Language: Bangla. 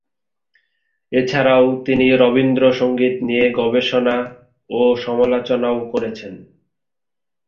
এছাড়াও তিনি রবীন্দ্র সঙ্গীত নিয়ে গবেষণা ও সমালোচনাও করেছেন।